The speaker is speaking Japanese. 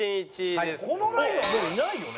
このラインはもういないよね。